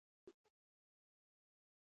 شخړو او لانجو دوام وکړ.